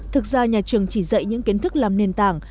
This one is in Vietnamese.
thực ra nhà trường chỉ dạy những kiến thức làm nền tảng